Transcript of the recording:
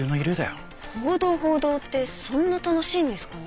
報道報道ってそんな楽しいんですかね。